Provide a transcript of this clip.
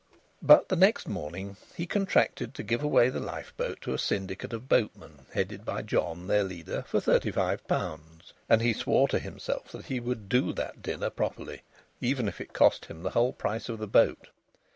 But the next morning he contracted to give away the lifeboat to a syndicate of boatmen, headed by John their leader, for thirty five pounds. And he swore to himself that he would do that dinner properly, even if it cost him the whole price of the boat.